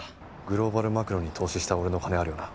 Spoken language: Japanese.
グローバルマクロに投資した俺の金あるよな？